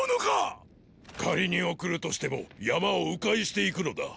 仮に送るとしても山を迂回して行くのだ。